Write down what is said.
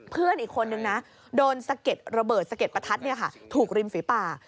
เพื่อนอีกคนนึงนะโดนระเบิดสะเก็ดประทัดเนี่ยค่ะถูกริมฝีป่า